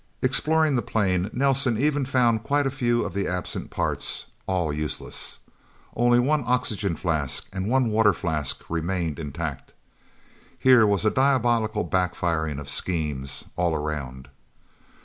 Exploring the plain, Nelsen even found quite a few of the absent parts, all useless. Only one oxygen flask and one water flask remained intact. Here was a diabolical backfiring of schemes, all around.